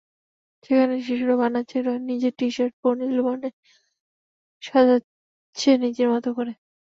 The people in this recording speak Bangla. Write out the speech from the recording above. সেখানে শিশুরা রাঙাচ্ছে নিজের টি-শার্ট, বর্ণিল বর্ণে সাজছে নিজের মতো করে।